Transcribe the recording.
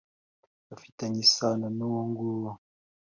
. Bafitanye isano n’uwo nguwo